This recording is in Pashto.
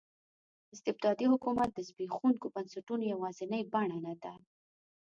استبدادي حکومت د زبېښونکو بنسټونو یوازینۍ بڼه نه ده.